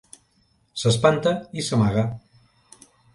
S'espanta i s'amaga.